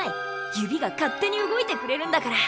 指が勝手に動いてくれるんだから。